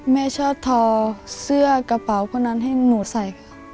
แม่ชอบทอเสื้อกระเป๋าคนนั้นให้หนูใส่ค่ะ